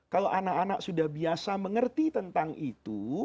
kalau anak anak sudah biasa mengerti tentang itu